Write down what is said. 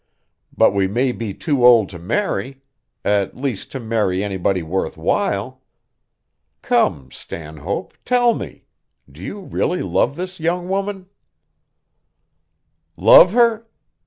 But we may be too old to marry at least to marry anybody worth while. Come, Stanhope, tell me: do you really love this young woman?" "Love her?